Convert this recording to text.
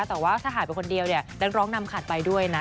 แต่ว่าถ้าหายไปคนเดียวเนี่ยนักร้องนำขาดไปด้วยนะ